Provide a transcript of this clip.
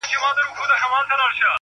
که د سپینو اوبو جام وي ستا له لاسه,